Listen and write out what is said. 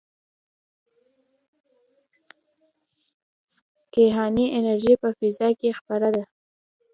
کیهاني انرژي په فضا کې خپره ده.